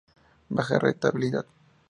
Baja rentabilidad.